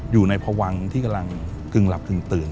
อยู่ในพวังที่กำลังคลึงหลับคลึงตื่น